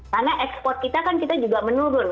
karena export kita kan kita juga menurun